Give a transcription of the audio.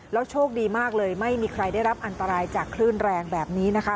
โชคดีมากเลยไม่มีใครได้รับอันตรายจากคลื่นแรงแบบนี้นะคะ